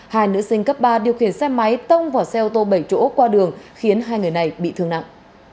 hai nữ sinh cấp ba điều khiển xe máy tông vào xe ô tô bảy chỗ qua đường khiến hai người này bị thương nặng